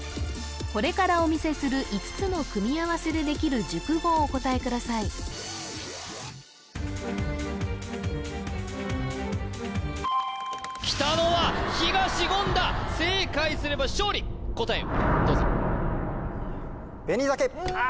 これからお見せする５つの組み合わせでできる熟語をお答えくださいきたのは東言だ正解すれば勝利答えをどうぞ・ああ・